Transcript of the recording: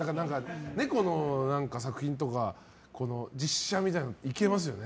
猫の作品とか実写みたいなのいけますよね。